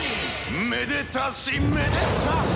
「めでたしめでたし！」